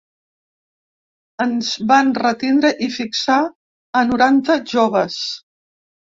Ens van retindre i fitxar a noranta joves.